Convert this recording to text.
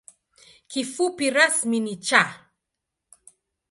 Kifupi rasmi ni ‘Cha’.